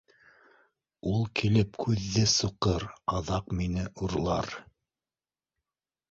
— Ул килеп күҙҙе суҡыр, аҙаҡ мине урлар.